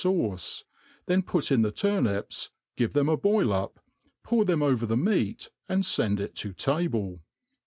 fauce ; then put in the turnpis, give them a boil up, pour them over the meat, and fend it to table.